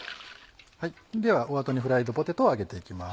ではお後にフライドポテトを揚げていきます。